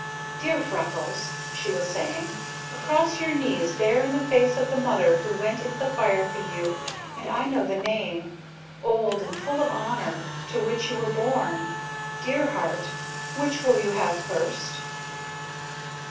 "Dear Freckles," she was saying, "across your knees there is the face of the mother who went into the fire for you, and I know the name old and full of honor to which you were born. Dear heart, which will you have first?"